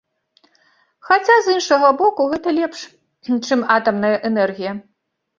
Хаця, з іншага боку, гэта лепш, чым атамная энергія.